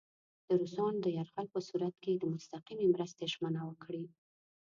د روسانو د یرغل په صورت کې د مستقیمې مرستې ژمنه ورکړي.